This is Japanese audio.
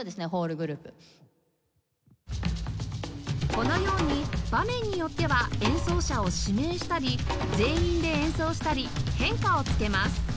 このように場面によっては演奏者を指名したり全員で演奏したり変化をつけます